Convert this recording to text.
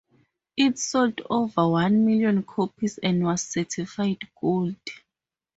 It sold over one million copies and was certified gold.